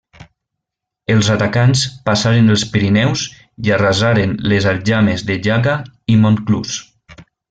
Els atacants passaren els Pirineus i arrasaren les aljames de Jaca i Montclús.